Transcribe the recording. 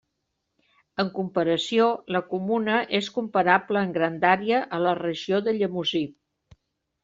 En comparació, la comuna és comparable en grandària a la regió de Llemosí.